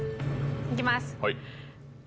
いきます。